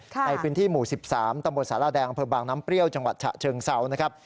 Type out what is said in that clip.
ในพื้นที่หมู่๑๓ตำรวจสาหร่าแดงพบน้ำเปรี้ยวจังหวัดฉะเชิงเศร้า